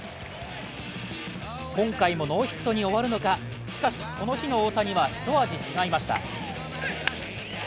今回もノーヒットに終わるのか、しかしこの日の大谷はひと味違いました。